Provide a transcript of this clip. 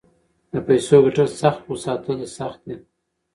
د پیسو ګټل سخت خو ساتل یې سخت دي.